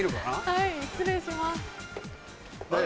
はい失礼します。